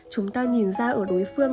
chúng ta nhìn ra ở đối phương